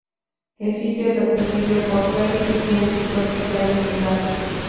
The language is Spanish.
El sitio es accesible por ferry y tiene su propia playa privada.